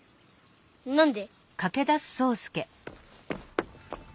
何で？